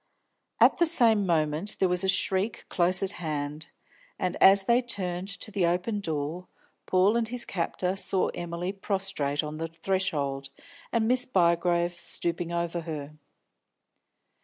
At the same moment there was a shriek close at hand, and, as they turned to the open door, Paul and his captor saw Emily prostrate on the threshold, and Miss Bygrave stooping over her.